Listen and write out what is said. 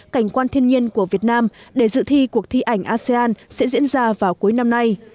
cảnh quan thiên nhiên của việt nam để dự thi cuộc thi ảnh asean sẽ diễn ra vào cuối năm nay